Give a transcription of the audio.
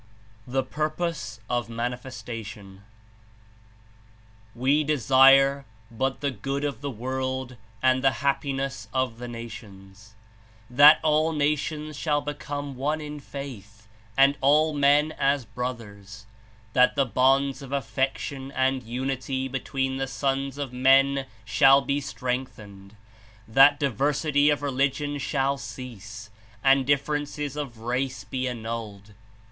THE PURPOSE OF MANTFESTATIOX "We desire but the good of the world and the hap piness of the nations; that all nations shall become one in faith and all men as brothers; that the bonds of affection and unity between the sons of men shall be strengthened; that diversity of religion shall cease and differences of rice be annulled.